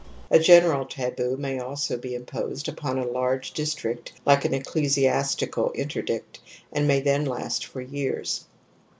A general taboo may also be imposed upon a large district hke an ecclesias tical interdict, and may then last for years.